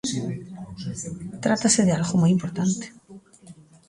Trátase de algo moi importante.